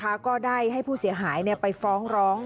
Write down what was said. ก็ได้ให้ผู้เสียหายไปฟ้องร้อง